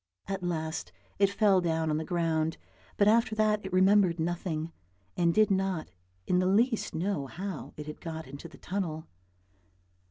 At last it fell down on the ground, but after that it remembered nothing, and did not in the least know how it had got into the tunnel.